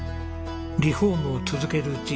リフォームを続けるうち